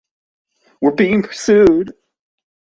We're being pursued.